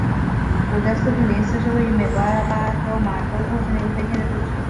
古德斯普林斯是位于美国阿拉巴马州沃克县的一个非建制地区。